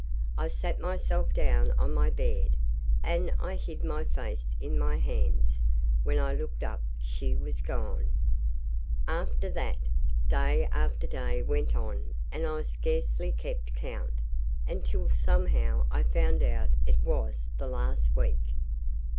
I sat myself down on my bed, and I hid my face in my hands. When I looked up she was gone. ..... After that, day after day went on and I scarcely kept count, until somehow I found out it was the last week.